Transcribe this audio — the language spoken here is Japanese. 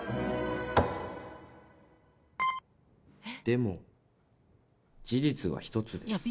「でも事実は一つです」